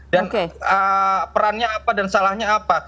dan perannya apa dan salahnya apa